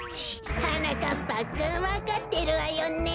はなかっぱくんわかってるわよね？